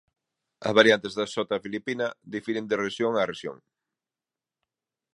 As variantes da xota filipina difiren de rexión a rexión.